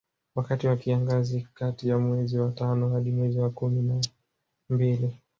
Wakati wa kiangazi kati ya mwezi wa tano hadi mwezi wa kumi na mbili